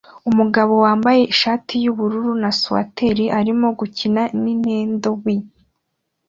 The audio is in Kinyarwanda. Umugabo wambaye ishati yubururu na swater arimo gukina Nintendo Wii